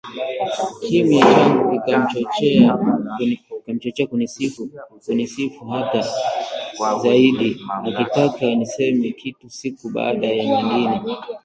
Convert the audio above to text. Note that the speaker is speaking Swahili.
Kimya changu kikamchochea kunisifu hata zaidi akitaka niseme kitu siku baada ya nyingine